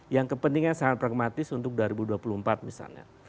yang kepentingan sangat pragmatis untuk dua ribu dua puluh empat misalnya